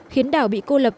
khiến đảo bị cô lập